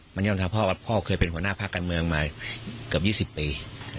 มันยอมรับพ่อว่าพ่อเคยเป็นหัวหน้าภาคการเมืองมาเกือบ๒๐ปี